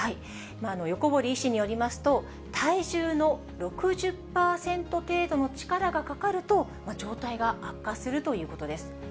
横堀医師によりますと、体重の６０％程度の力がかかると、状態が悪化するということです。